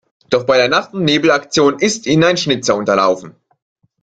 Doch bei der Nacht-und-Nebel-Aktion ist ihnen ein Schnitzer unterlaufen.